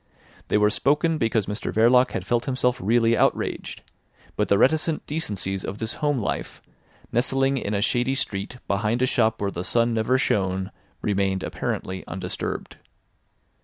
They were spoken because Mr Verloc had felt himself really outraged; but the reticent decencies of this home life, nestling in a shady street behind a shop where the sun never shone, remained apparently undisturbed.